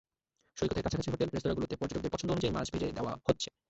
সৈকতের কাছাকাছি হোটেল– রেস্তোরাঁগুলোতে পর্যটকদের পছন্দ অনুযায়ী মাছ ভেজে দেওয়া হচ্ছে।